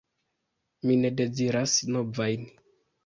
Mi ne deziras novajn.